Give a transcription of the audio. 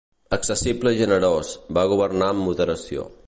Accessible i generós, va governar amb moderació.